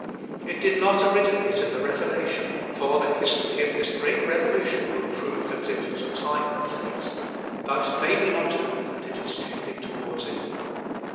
It did not originate in the Reformation, for the history of this great revolution will prove that it was a time of faith; but may we not hope that it is tending towards it?